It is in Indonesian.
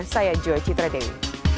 saya joi citrading